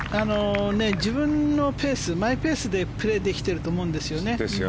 自分のペースマイペースでプレーできてると思うんですよね。